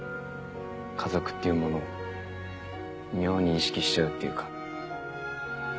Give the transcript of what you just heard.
家族っていうものを妙に意識しちゃうっていうか。